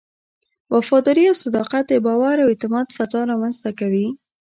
وفاداري او صداقت د باور او اعتماد فضا رامنځته کوي.